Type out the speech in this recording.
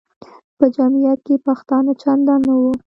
په جمیعت کې پښتانه چندان نه وو.